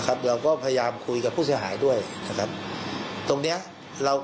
เราก็พยายามคุยกับผู้เสียหายด้วยนะครับตรงเนี้ยเรา